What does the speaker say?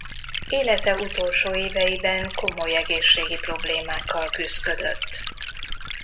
Élete utolsó éveiben komoly egészségi problémákkal küszködött.